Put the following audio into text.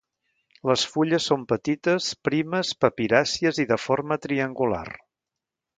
Les fulles són petites, primes, papiràcies i de forma triangular.